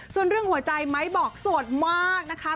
ส่วนเรื่องหัวใจไม้บอกโสดมากนะคะ